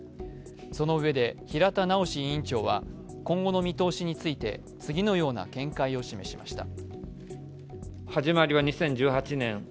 そのうえで平田直委員長は今後の見通しについて次のような見解を示しました。